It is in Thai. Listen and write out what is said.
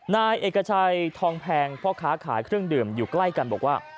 นายเอกชัยทองแพงพ่อค้าขายเครื่องดื่มอยู่ใกล้กันบอกว่า